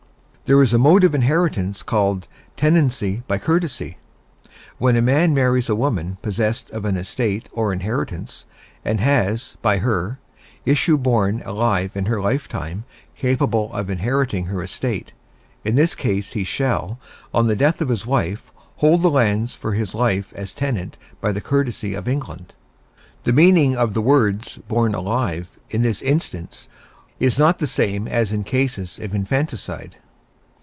There is a mode of inheritance called 'tenancy by courtesy.' When a man marries a woman possessed of an estate or inheritance, and has, by her, issue born alive in her lifetime capable of inheriting her estate, in this case he shall, on the death of his wife, hold the lands for his life as tenant by the courtesy of England. The meaning of the words 'born alive' in this instance is not the same as in cases of infanticide.